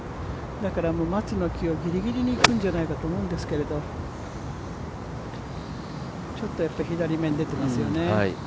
だから松の木をギリギリにいくんじゃないかと思うんですけどちょっとやっぱり左目に出ていますよね。